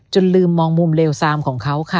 ลืมมองมุมเลวซามของเขาค่ะ